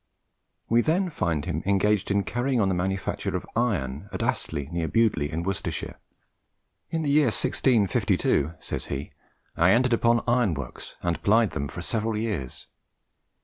We then find him engaged in carrying on the manufacture of iron at Ashley, near Bewdley, in Worcestershire. "In the year 1652", says he, "I entered upon iron works, and plied them for several years."